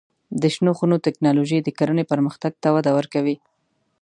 د شنو خونو تکنالوژي د کرنې پرمختګ ته وده ورکوي.